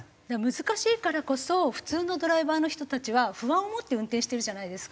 難しいからこそ普通のドライバーの人たちは不安を持って運転してるじゃないですか。